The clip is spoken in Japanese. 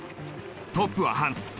トップはハンス。